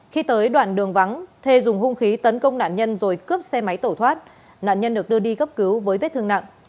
khi tới đoạn đường vắng thê dùng hung khí tấn công nạn nhân rồi cướp xe máy tổ thoát nạn nhân được đưa đi cấp cứu với vết thương nặng